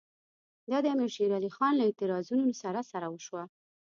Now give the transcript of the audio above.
دا د امیر شېر علي خان له اعتراضونو سره سره وشوه.